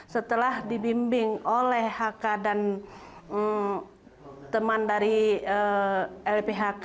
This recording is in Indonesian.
setelah dibimbing oleh hk dan teman dari lphk